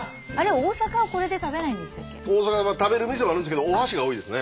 大阪は食べる店もあるんですけどおはしが多いですね。